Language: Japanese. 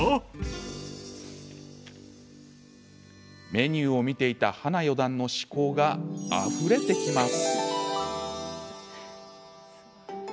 メニューを見ていた花四段の思考があふれてきます。